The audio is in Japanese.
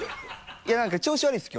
いやぁなんか調子悪いです